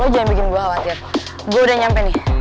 jangan khawatir gua udah nyampe nih